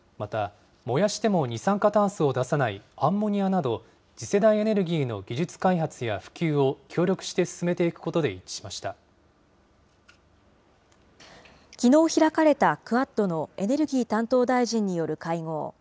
また、燃やしても二酸化炭素を出さないアンモニアなど、次世代エネルギーの技術開発や普及を協力して進めていくことで一きのう開かれたクアッドのエネルギー担当大臣による会合。